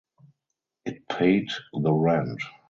It paid the rent.